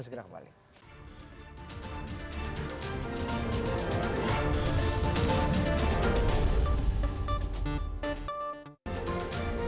terima kasih pak